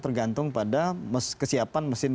tergantung pada kesiapan mesin